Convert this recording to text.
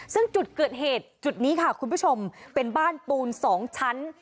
ซึ่งจุดเกิดเหตุจุดนี้ค่ะคุณผู้ชมเป็นบ้านปูน๒ชั้น